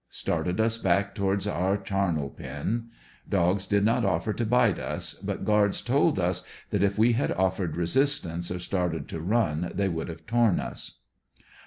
Started us back towards our charnel pen. Dogs did not offer to bite us, but guards told us that if we had offered resistance or started to run they would have torn us.